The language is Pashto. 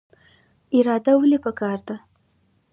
اراده ولې پکار ده؟